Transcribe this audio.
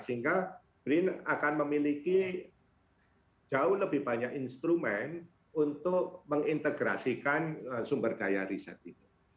sehingga brin akan memiliki jauh lebih banyak instrumen untuk mengintegrasikan sumber daya riset itu